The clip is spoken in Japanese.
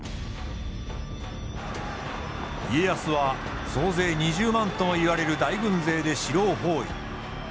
家康は総勢２０万ともいわれる大軍勢で城を包囲。